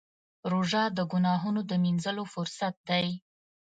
روژه د ګناهونو د مینځلو فرصت دی.